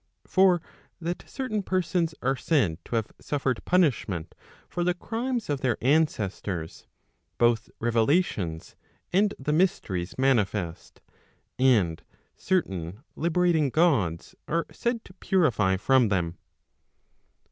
For that certain persons are said to have suffered punishment for the crimes of their ancestors, both revelations and the mysteries manifest, and certain liber Digitized by t^OOQLe 492 TEN DOUBTS ating Gods arc said to purify from them.